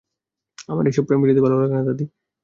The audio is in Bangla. আমার এইসব প্রেম-পিরিতি ভালো লাগে না, দাদী!